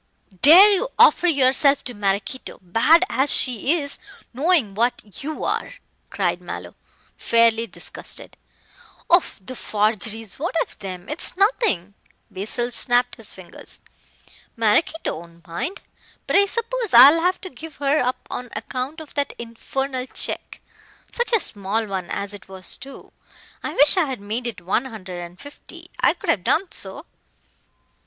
"Dare you offer yourself to Maraquito, bad as she is, knowing what you are?" cried Mallow, fairly disgusted. "Oh, the forgeries. What of them? It's nothing." Basil snapped his fingers. "Maraquito won't mind. But I suppose I'll have to give her up on account of that infernal check. Such a small one as it was too. I wish I had made it one hundred and fifty. I could have done so."